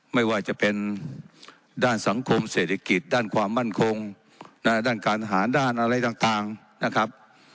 ไม่ว่าจะเป็นด้านสังคมเศรษฐกิจด้านความมั่นคงด้านการทหารด้านอะไรต่างนะครับ